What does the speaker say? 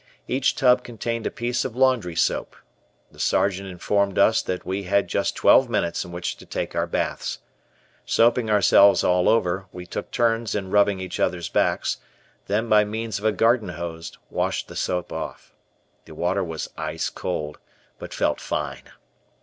Each tub contained a piece of laundry soap. The Sergeant informed us that we had just twelve minutes in which to take our baths. Soaping ourselves all over, we took turns in rubbing each other's backs, then by means of a garden hose, washed the soap off. The water was ice cold, but felt fine.